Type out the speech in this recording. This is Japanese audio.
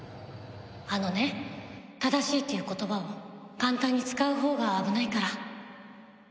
あのね正しいっていう言葉を簡単に使うほうが危ないから。